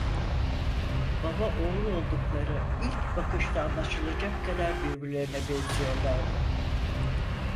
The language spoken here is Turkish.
Baba oğul oldukları ilk bakışta anlaşılacak kadar birbirlerine benziyorlardı.